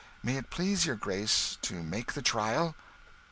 May it please your Grace to make the trial?"